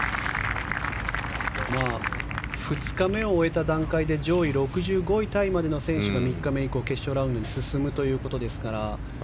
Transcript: ２日目を終えた段階で上位６５位タイまでの選手が３日目以降の決勝ラウンドに進むということですから。